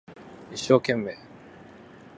一生懸命